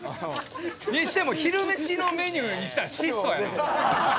にしても昼飯のメニューにしたら質素やな。